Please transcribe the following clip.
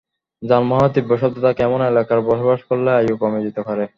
যানবাহনের তীব্র শব্দ থাকে, এমন এলাকায় বসবাস করলে আয়ু কমে যেতে পারে।